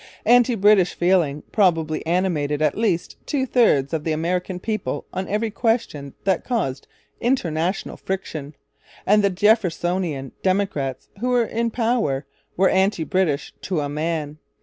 Anti British feeling probably animated at least two thirds of the American people on every question that caused international friction; and the Jeffersonian Democrats, who were in power, were anti British to a man.